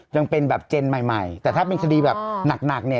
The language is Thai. เหมือนแบบว่าแต่งตัวเฟียวมากเลยอ่ะ